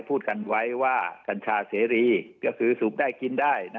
พูดกันไว้ว่ากัญชาเสรีก็คือสูบได้กินได้